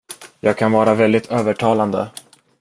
Jag kan vara väldigt övertalande.